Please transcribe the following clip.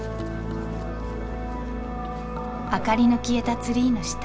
明かりの消えたツリーの下。